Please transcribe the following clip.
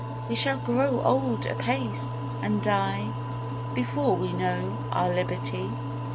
We shall grow old apace, and die Before we know our liberty.